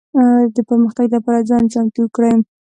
د پرمختګ لپاره ځان چمتو کړي.